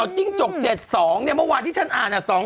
จริงจก๗๒เมื่อวานที่ฉันอ่าน